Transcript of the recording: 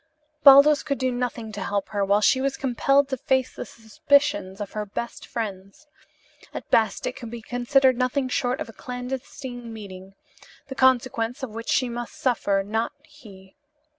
Baldos could do nothing to help her, while she was compelled to face the suspicions of her best friends. At best it could be considered nothing short of a clandestine meeting, the consequences of which she must suffer, not he.